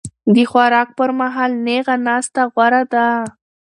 د خوراک پر مهال نېغه ناسته غوره ده.